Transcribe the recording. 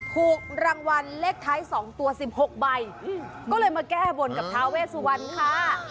ถูกรางวัลเลขท้าย๒ตัว๑๖ใบก็เลยมาแก้บนกับท้าเวสวรรณค่ะ